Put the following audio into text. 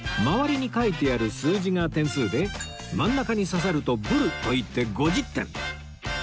周りに書いてある数字が点数で真ん中に刺さると「ブル」といって５０点